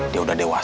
dia udah dewasa